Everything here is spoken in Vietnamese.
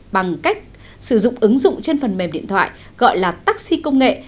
bằng cách sử dụng ứng dụng trên phần mềm điện thoại gọi là taxi công nghệ